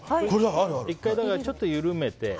１回ちょっと緩めて。